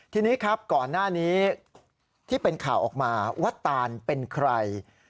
ทีนี้ครับก่อนหน้านี้ที่เป็นข่าวออกมาว่าตานเป็นใคร